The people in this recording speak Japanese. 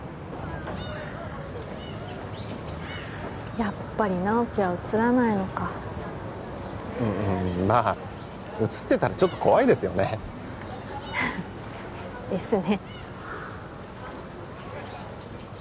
やっぱり直木は写らないのかうんまあ写ってたらちょっと怖いですよねふふですね